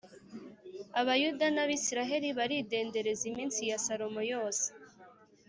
Abayuda n’Abisirayeli baridendereza iminsi ya Salomo yose